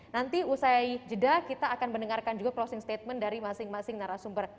nanti usai jeda kita akan mendengarkan juga closing statement dari masing masing narasumber